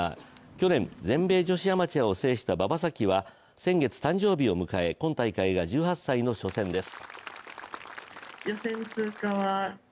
去年、全米女子アマチュアを制した馬場咲希は先月、誕生日を迎え今大会が１８歳、初戦です。